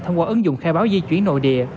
thông qua ứng dụng khai báo di chuyển nội địa